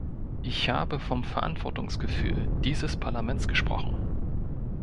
Ich habe vom Verantwortungsgefühl dieses Parlaments gesprochen.